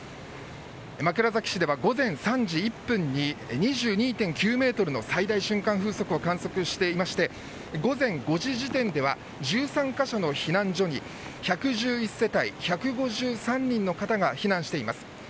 枕崎市では午前３時１分に２２．９メートルの最大瞬間風速を観測していまして午前５時時点では１３カ所の避難所に１１１世帯、５３人の方が避難しています。